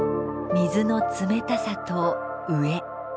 水の冷たさと飢え。